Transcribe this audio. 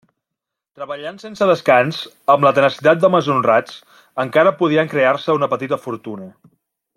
Treballant sense descans, amb la tenacitat d'homes honrats, encara podien crear-se una petita fortuna.